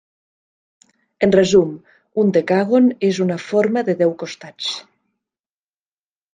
En resum, un decàgon és una forma de deu costats.